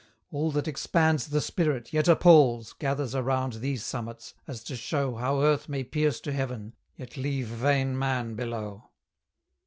All that expands the spirit, yet appals, Gathers around these summits, as to show How Earth may pierce to Heaven, yet leave vain man below.